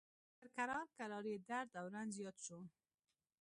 مګر کرار کرار یې درد او رنځ زیات شو.